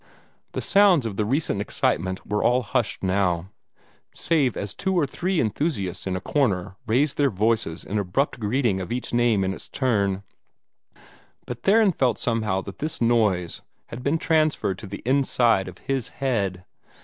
The sounds of the recent excitement were all hushed now, save as two or three enthusiasts in a corner raised their voices in abrupt greeting of each name in its turn, but Theron felt somehow that this noise had been transferred to the inside of his head.